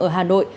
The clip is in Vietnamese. ở hà nội